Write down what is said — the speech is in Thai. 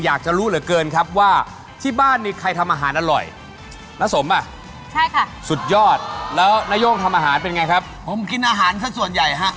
อยากจะรู้หละเกินครับที่บ้านใครทำอาหารอร่อย